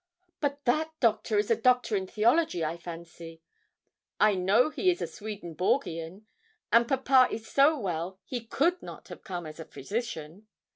'But that doctor is a doctor in theology, I fancy. I know he is a Swedenborgian; and papa is so well he could not have come as a physician.'